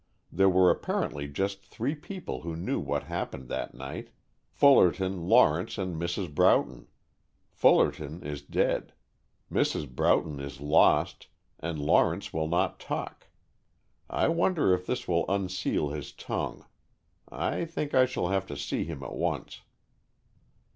There were apparently just three people who knew what happened that night, Fullerton, Lawrence, and Mrs. Broughton. Fullerton is dead, Mrs. Broughton is lost, and Lawrence will not talk. I wonder if this will unseal his tongue. I think I shall have to see him at once."